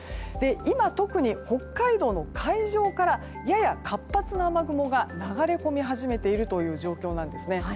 今特に日本海の海上からやや活発な雨雲が流れ込み始めているという状況なんですね。